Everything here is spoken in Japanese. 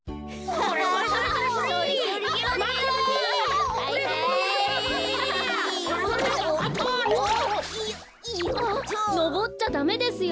あっのぼっちゃダメですよ。